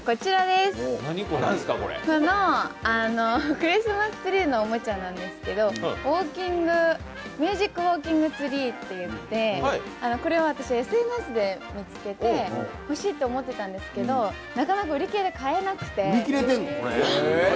クリスマスツリーのおもちゃなんですけどミュージックウオーキングツリーっていってこれはＳＮＳで見つけて、欲しいと思ってたんですけどなかなか売り切れで買えなくて。